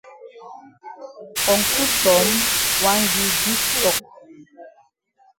Uncle Tom wan gi big tok.